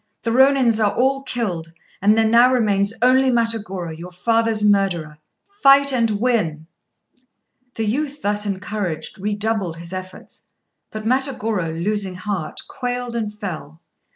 The Rônins are all killed, and there now remains only Matagorô, your father's murderer. Fight and win!" The youth, thus encouraged, redoubled his efforts; but Matagorô, losing heart, quailed and fell.